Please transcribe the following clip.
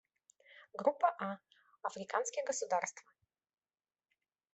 Группа А — Африканские государства.